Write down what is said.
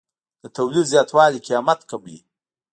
د تولید زیاتوالی قیمت کموي.